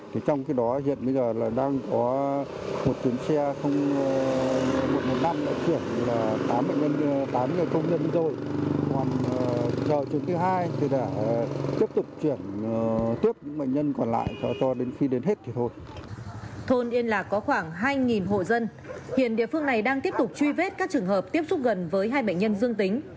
thôn yên lạc có khoảng hai hộ dân hiện địa phương này đang tiếp tục truy vết các trường hợp tiếp xúc gần với hai bệnh nhân dương tính